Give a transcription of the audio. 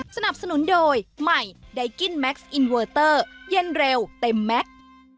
สนับสนุนโดยใหม่ไดกิ้นแม็กซ์อินเวอร์เตอร์เย็นเร็วเต็มแม็กซ์